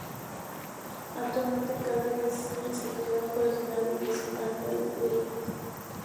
Actualmente el cargo es desempeñado por el General de División Alfredo Ewing.